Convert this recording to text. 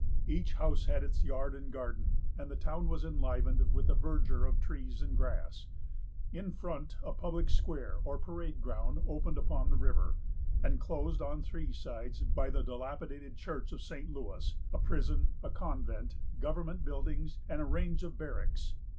Each house had its yard and garden, and the town was enlivened with the verdure of trees and grass. In front, a public square, or parade ground, opened upon the river, enclosed on three sides by the dilapidated church of St. Louis, a prison, a convent, government buildings, and a range of barracks.